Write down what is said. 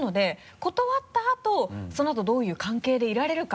断ったあとそのあとどういう関係でいられるか。